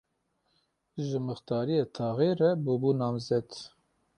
Ji mixtariya taxê re bûbû namzet.